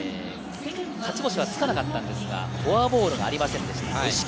勝ち星はつかなかったんですがフォアボールがありませんでした。